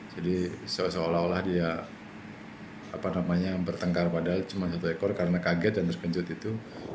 jadi seolah olah dia bertengkar padahal cuma satu ekor karena kaget dan terkencut itu